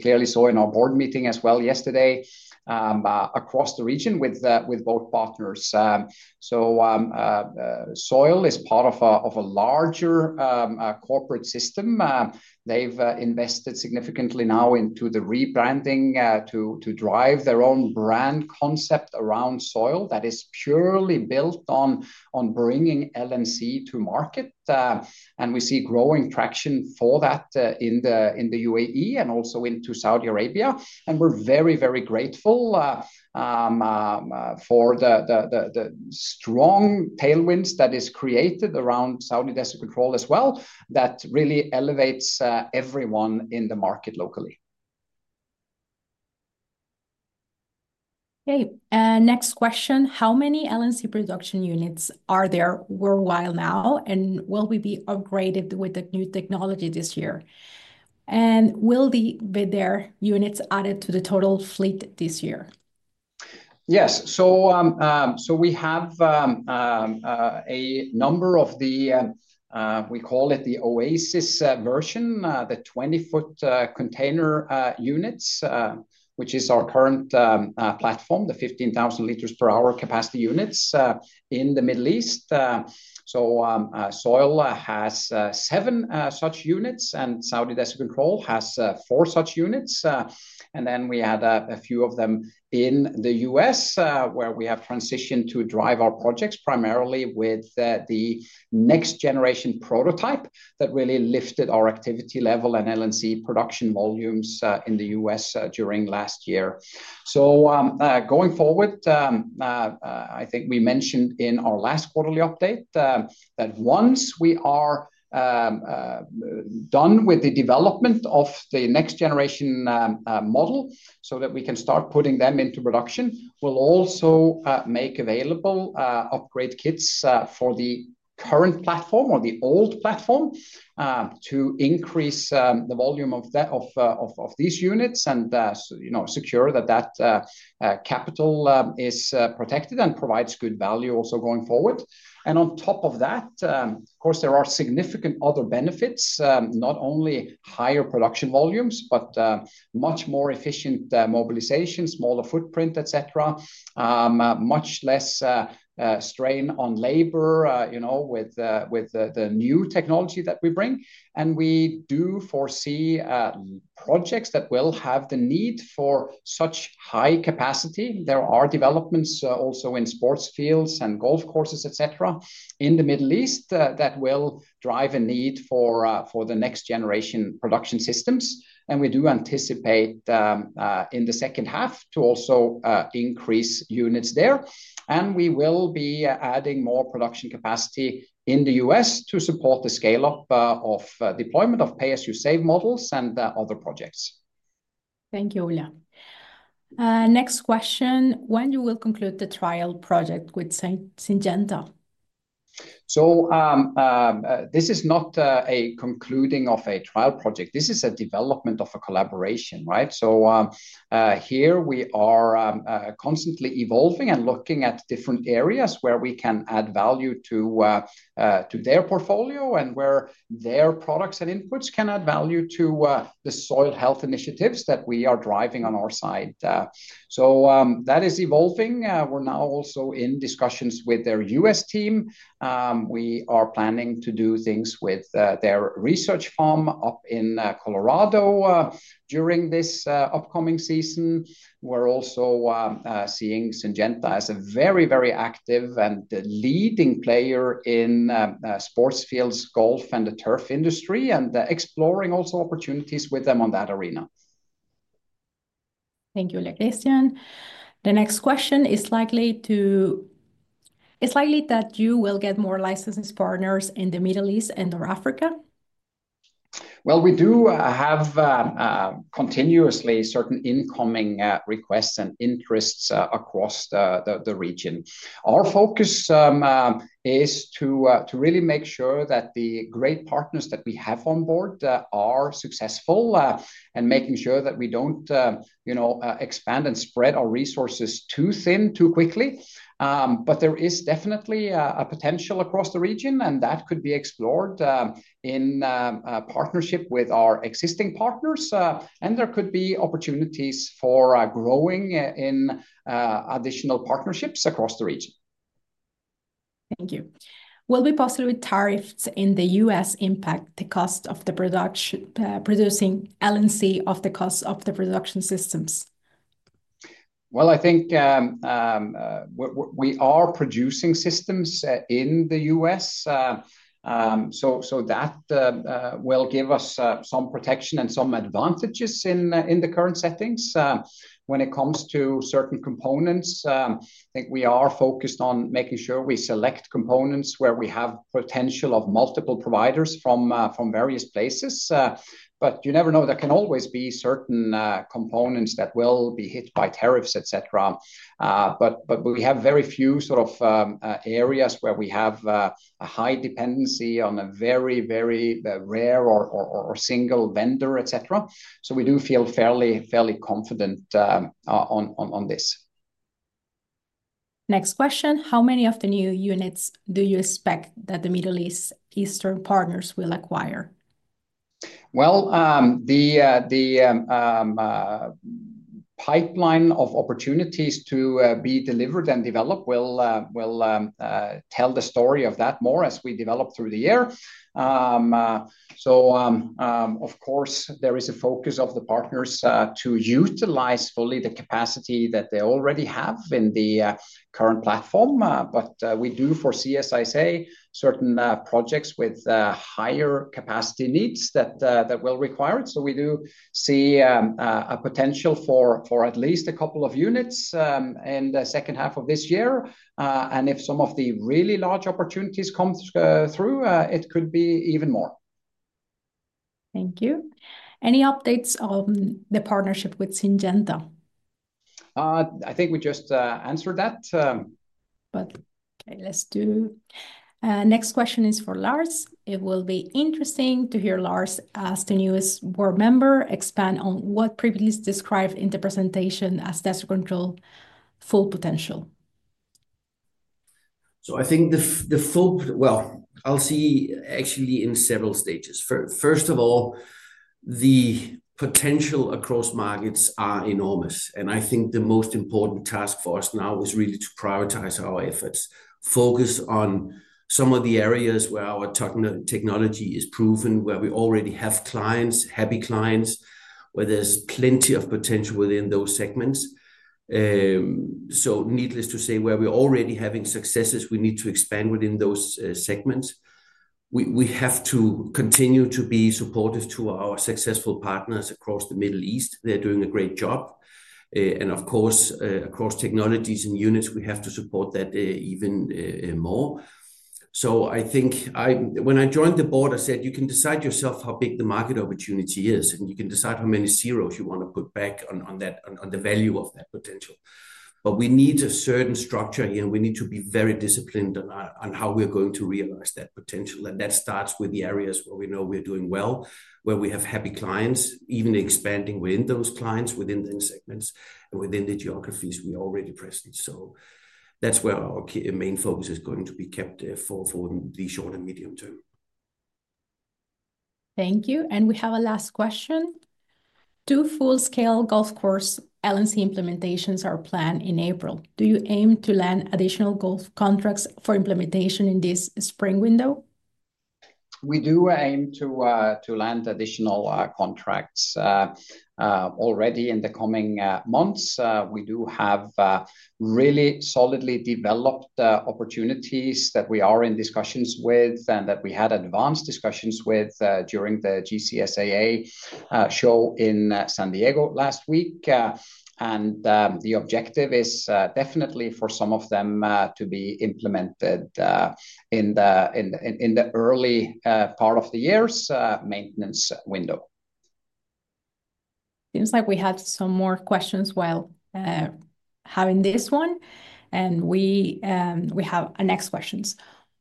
clearly saw in our board meeting as well yesterday across the region with both partners. Soil is part of a larger corporate system. They've invested significantly now into the rebranding to drive their own brand concept around Soil that is purely built on bringing LNC to market. We see growing traction for that in the UAE and also into Saudi Arabia. We are very, very grateful for the strong tailwinds that is created around Saudi Desert Control as well that really elevates everyone in the market locally.
Okay. Next question. How many LNC production units are there worldwide now, and will we be upgraded with the new technology this year? And will there be units added to the total fleet this year?
Yes. We have a number of the, we call it the Oasis version, the 20-foot container units, which is our current platform, the 15,000 liters per hour capacity units in the Middle East. Soil has seven such units, and Saudi Desert Control has four such units. We had a few of them in the US, where we have transitioned to drive our projects primarily with the next-generation prototype that really lifted our activity level and LNC production volumes in the US during last year. Going forward, I think we mentioned in our last quarterly update that once we are done with the development of the next-generation model so that we can start putting them into production, we'll also make available upgrade kits for the current platform or the old platform to increase the volume of these units and secure that that capital is protected and provides good value also going forward. On top of that, of course, there are significant other benefits, not only higher production volumes, but much more efficient mobilization, smaller footprint, etc., much less strain on labor with the new technology that we bring. We do foresee projects that will have the need for such high capacity. There are developments also in sports fields and golf courses, etc., in the Middle East that will drive a need for the next-generation production systems. We do anticipate in the second half to also increase units there. We will be adding more production capacity in the US to support the scale-up of deployment of pay-as-you-save models and other projects. Thank you, Ole. Next question. When will you conclude the trial project with Syngenta? This is not a concluding of a trial project. This is a development of a collaboration, right? Here we are constantly evolving and looking at different areas where we can add value to their portfolio and where their products and inputs can add value to the Soil Health initiatives that we are driving on our side. That is evolving. We are now also in discussions with their US team. We are planning to do things with their research farm up in Colorado during this upcoming season. We're also seeing Syngenta as a very, very active and leading player in sports fields, golf, and the turf industry and exploring also opportunities with them on that arena.
Thank you, Ole Kristian. The next question is likely that you will get more licensed partners in the Middle East and North Africa.
We do have continuously certain incoming requests and interests across the region. Our focus is to really make sure that the great partners that we have on board are successful and making sure that we don't expand and spread our resources too thin, too quickly. There is definitely a potential across the region, and that could be explored in partnership with our existing partners. There could be opportunities for growing in additional partnerships across the region.
Thank you. Will tariffs in the U.S. impact the cost of producing LNC or the cost of the production systems?
I think we are producing systems in the U.S., so that will give us some protection and some advantages in the current settings when it comes to certain components. I think we are focused on making sure we select components where we have potential of multiple providers from various places. You never know. There can always be certain components that will be hit by tariffs, etc. We have very few sort of areas where we have a high dependency on a very, very rare or single vendor, etc. We do feel fairly confident on this.
Next question. How many of the new units do you expect that the Middle Eastern partners will acquire?
The pipeline of opportunities to be delivered and developed will tell the story of that more as we develop through the year. Of course, there is a focus of the partners to utilize fully the capacity that they already have in the current platform. We do foresee, as I say, certain projects with higher capacity needs that will require it. We do see a potential for at least a couple of units in the second half of this year. If some of the really large opportunities come through, it could be even more.
Thank you. Any updates on the partnership with Syngenta? I think we just answered that. Okay, next question is for Lars. It will be interesting to hear Lars as the newest board member expand on what previously described in the presentation as Desert Control full potential.
I think the full, well, I'll see actually in several stages. First of all, the potential across markets are enormous. I think the most important task for us now is really to prioritize our efforts, focus on some of the areas where our technology is proven, where we already have clients, happy clients, where there's plenty of potential within those segments. Needless to say, where we're already having successes, we need to expand within those segments. We have to continue to be supportive to our successful partners across the Middle East. They're doing a great job. Of course, across technologies and units, we have to support that even more. I think when I joined the board, I said, "You can decide yourself how big the market opportunity is, and you can decide how many zeros you want to put back on the value of that potential." We need a certain structure here, and we need to be very disciplined on how we're going to realize that potential. That starts with the areas where we know we're doing well, where we have happy clients, even expanding within those clients, within the segments, and within the geographies we are already present. That's where our main focus is going to be kept for the short and medium term.
Thank you. We have a last question. Two full-scale golf course LNC implementations are planned in April. Do you aim to land additional golf contracts for implementation in this spring window?
We do aim to land additional contracts already in the coming months. We do have really solidly developed opportunities that we are in discussions with and that we had advanced discussions with during the GCSAA show in San Diego last week. The objective is definitely for some of them to be implemented in the early part of the year's maintenance window.
Seems like we had some more questions while having this one. We have next questions.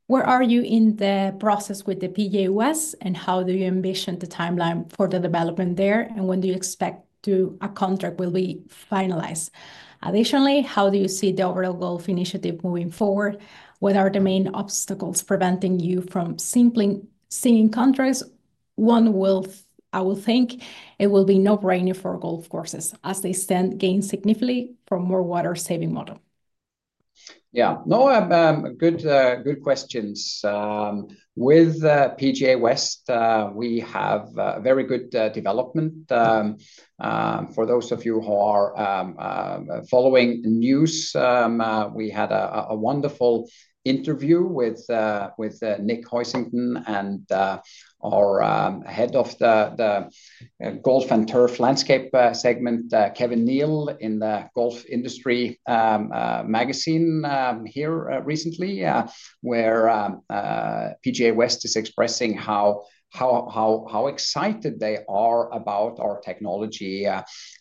Where are you in the process with the PGA West, and how do you envision the timeline for the development there, and when do you expect a contract will be finalized? Additionally, how do you see the overall golf initiative moving forward? What are the main obstacles preventing you from simply seeing contracts? One will, I will think it will be no brainer for golf courses as they stand gain significantly from more water-saving model.
Yeah. No, good questions. With PGA West, we have very good development. For those of you who are following news, we had a wonderful interview with Nick Hoisington and our Head of the Golf and Turf Landscape segment, Kevin Neill, in the Golf Industry magazine here recently, where PGA West is expressing how excited they are about our technology.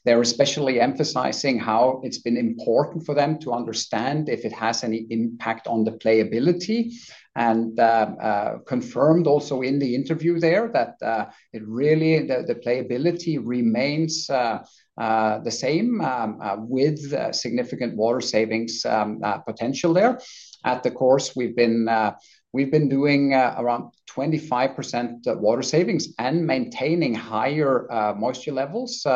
They're especially emphasizing how it's been important for them to understand if it has any impact on the playability. Confirmed also in the interview there that really the playability remains the same with significant water savings potential there. At the course, we've been doing around 25% water savings and maintaining higher moisture levels,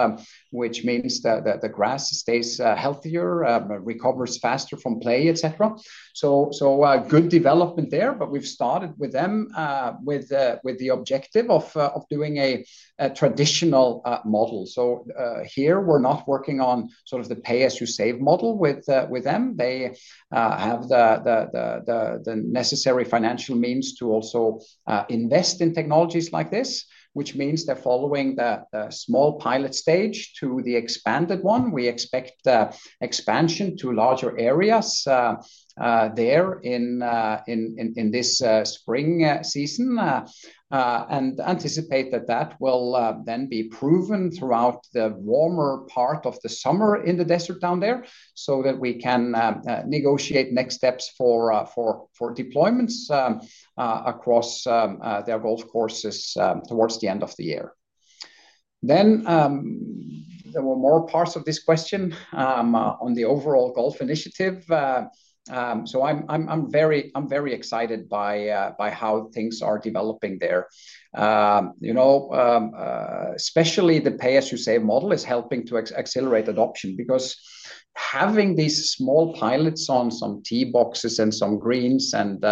which means that the grass stays healthier, recovers faster from play, etc. Good development there, but we've started with them with the objective of doing a traditional model. Here, we're not working on sort of the pay-as-you-save model with them. They have the necessary financial means to also invest in technologies like this, which means they're following the small pilot stage to the expanded one. We expect expansion to larger areas there in this spring season and anticipate that that will then be proven throughout the warmer part of the summer in the desert down there so that we can negotiate next steps for deployments across their golf courses towards the end of the year. There were more parts of this question on the overall golf initiative. I'm very excited by how things are developing there. Especially the pay-as-you-save model is helping to accelerate adoption because having these small pilots on some tee boxes and some greens and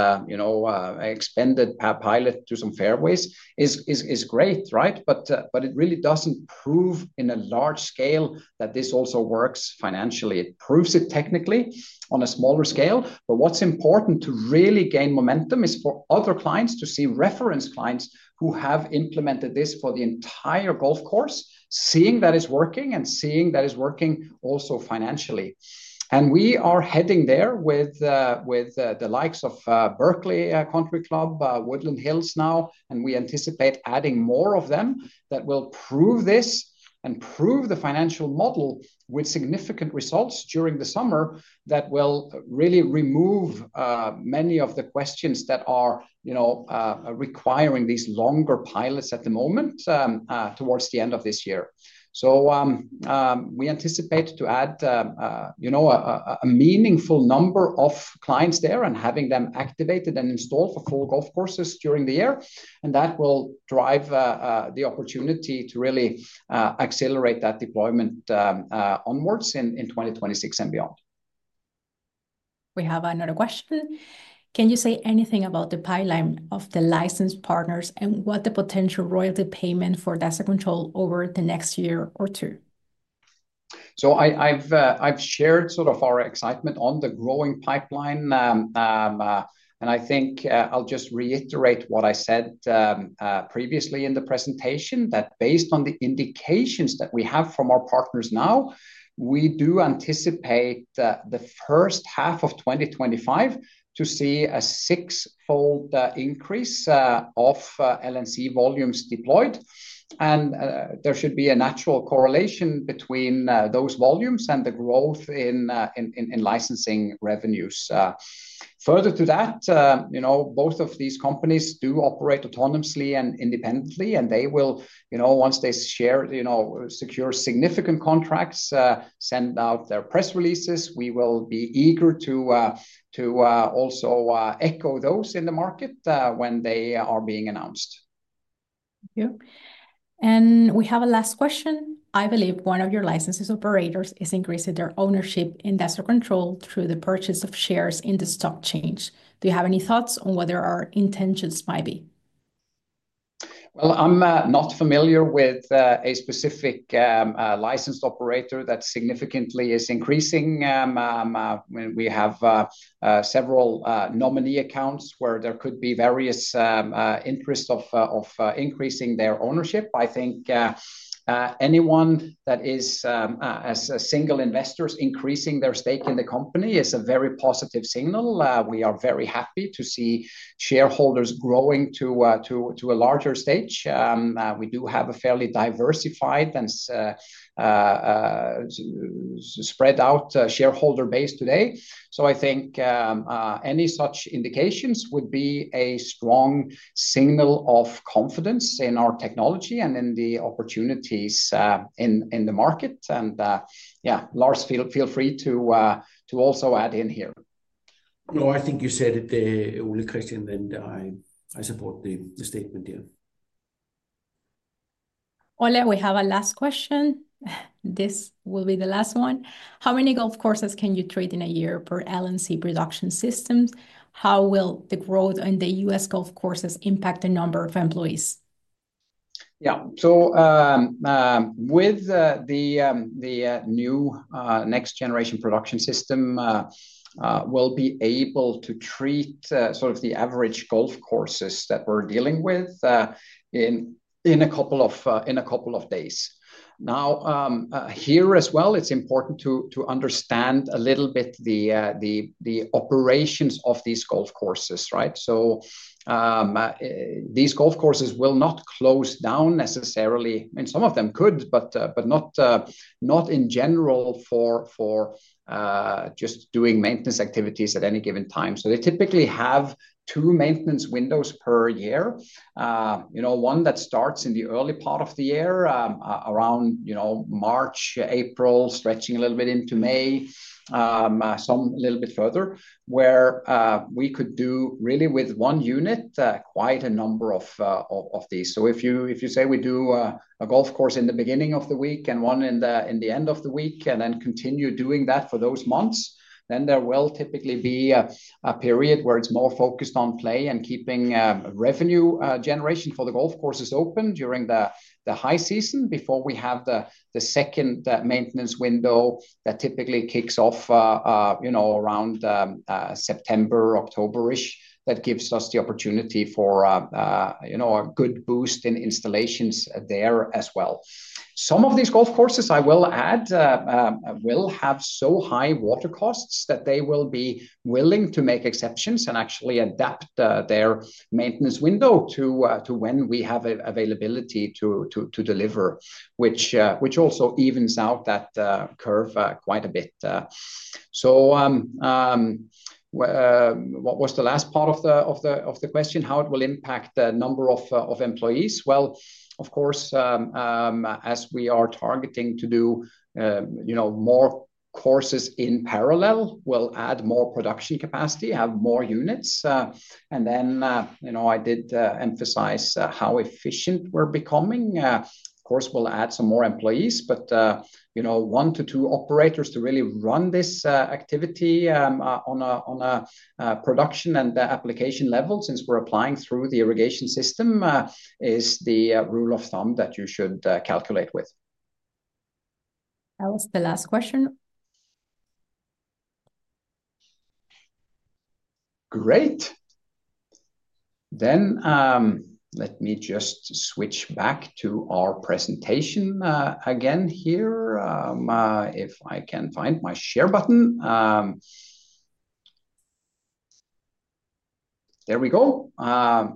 extended pilot to some fairways is great, right? It really does not prove in a large scale that this also works financially. It proves it technically on a smaller scale. What is important to really gain momentum is for other clients to see reference clients who have implemented this for the entire golf course, seeing that it is working and seeing that it is working also financially. We are heading there with the likes of Berkeley Country Club, Woodland Hills now, and we anticipate adding more of them that will prove this and prove the financial model with significant results during the summer that will really remove many of the questions that are requiring these longer pilots at the moment towards the end of this year. We anticipate to add a meaningful number of clients there and having them activated and installed for full golf courses during the year. That will drive the opportunity to really accelerate that deployment onwards in 2026 and beyond.
We have another question. Can you say anything about the pipeline of the licensed partners and what the potential royalty payment for Desert Control over the next year or two?
I have shared sort of our excitement on the growing pipeline. I think I will just reiterate what I said previously in the presentation, that based on the indications that we have from our partners now, we do anticipate the first half of 2025 to see a sixfold increase of LNC volumes deployed. There should be a natural correlation between those volumes and the growth in licensing revenues. Further to that, both of these companies do operate autonomously and independently, and they will, once they secure significant contracts, send out their press releases. We will be eager to also echo those in the market when they are being announced.
Thank you. We have a last question. I believe one of your licensed operators is increasing their ownership in Desert Control through the purchase of shares in the stock exchange. Do you have any thoughts on what their intentions might be?
I am not familiar with a specific licensed operator that significantly is increasing. We have several nominee accounts where there could be various interests of increasing their ownership. I think anyone that is, as a single investor, increasing their stake in the company is a very positive signal. We are very happy to see shareholders growing to a larger stage. We do have a fairly diversified and spread out shareholder base today. I think any such indications would be a strong signal of confidence in our technology and in the opportunities in the market. Yeah, Lars, feel free to also add in here.
No, I think you said it, Ole Kristian, and I support the statement here.
Ole, we have a last question. This will be the last one. How many golf courses can you treat in a year per LNC production systems? How will the growth in the US golf courses impact the number of employees?
Yeah. With the new next-generation production system, we'll be able to treat sort of the average golf courses that we're dealing with in a couple of days. Here as well, it's important to understand a little bit the operations of these golf courses, right? These golf courses will not close down necessarily. I mean, some of them could, but not in general for just doing maintenance activities at any given time. They typically have two maintenance windows per year. One that starts in the early part of the year around March, April, stretching a little bit into May, some a little bit further, where we could do really with one unit quite a number of these. If you say we do a golf course in the beginning of the week and one in the end of the week and then continue doing that for those months, there will typically be a period where it's more focused on play and keeping revenue generation for the golf courses open during the high season before we have the second maintenance window that typically kicks off around September, October-ish. That gives us the opportunity for a good boost in installations there as well. Some of these golf courses, I will add, will have so high water costs that they will be willing to make exceptions and actually adapt their maintenance window to when we have availability to deliver, which also evens out that curve quite a bit. What was the last part of the question? How it will impact the number of employees? Of course, as we are targeting to do more courses in parallel, we'll add more production capacity, have more units. I did emphasize how efficient we're becoming. Of course, we'll add some more employees, but one to two operators to really run this activity on a production and application level since we're applying through the irrigation system is the rule of thumb that you should calculate with.
That was the last question.
Great. Let me just switch back to our presentation again here if I can find my share button. There we go. I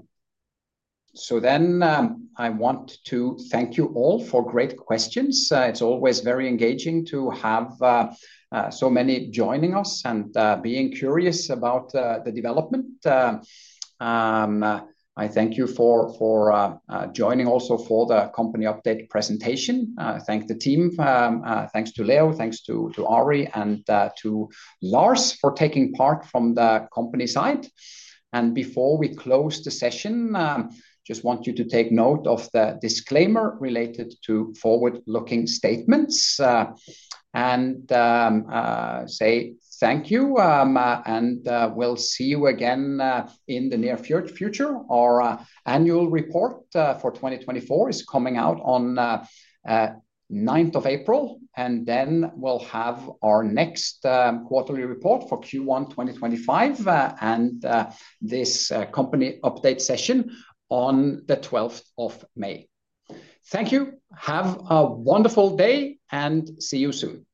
want to thank you all for great questions. It's always very engaging to have so many joining us and being curious about the development. I thank you for joining also for the company update presentation. Thank the team. Thanks to Leo, thanks to Ari, and to Lars for taking part from the company side. Before we close the session, I just want you to take note of the disclaimer related to forward-looking statements and say thank you. We will see you again in the near future. Our annual report for 2024 is coming out on 9 April. We will have our next quarterly report for Q1 2025 and this company update session on 12 May. Thank you. Have a wonderful day and see you soon.